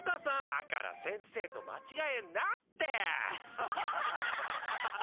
だから先生と間違えんなって！